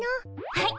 はい！